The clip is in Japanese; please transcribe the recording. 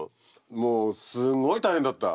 もうすんごい大変だった。